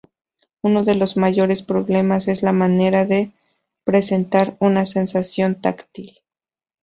Uno de los mayores problemas es la manera de presentar una sensación táctil.